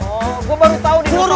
oh gue baru tau di mana